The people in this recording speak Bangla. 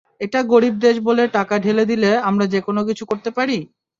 এটা গরীব দেশ বলে টাকা ঢেলে দিলে আমরা যেকোনো কিছু করতে পারি?